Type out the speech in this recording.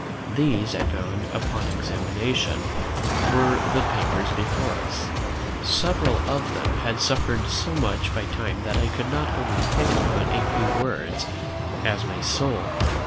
These I found, upon examination, were the papers before us. Several of them had suffered so much by time that I could only pick out a few words; as my soul!